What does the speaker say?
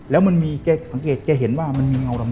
แล้วมันมีแกสังเกตแกเห็นว่ามันมีเงาดำ